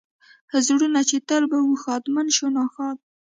زړونه چې تل به و ښادمن شو ناښاد.